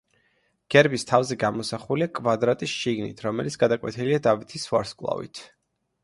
გერბის თავზე გამოსახულია კვადრატი შიგნით, რომელიც გადაკვეთილია დავითის ვარსკვლავით.